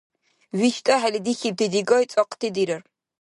ВиштӀахӀели дихьибти дигай цӀакьти дирар.